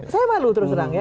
saya malu terus terang ya